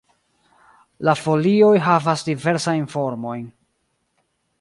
La folioj havas diversajn formojn.